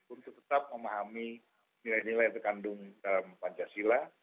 untuk tetap memahami nilai nilai yang terkandung dalam pancasila